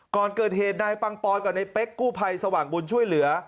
ก่อนเกิดเหตุนายปังปอยกับในเป๊กกู้ภัยสว่างบุญช่วยเหลือ